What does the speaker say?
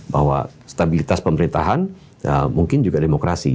bahwa stabilitas pemerintahan mungkin juga demokrasi